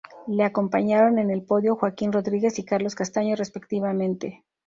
Le acompañaron en el podio Joaquim Rodríguez y Carlos Castaño respectivamente.